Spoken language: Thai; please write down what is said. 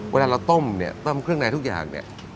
เวลาเราต้มเนี่ยต้มเครื่องในทุกอย่างเนี่ย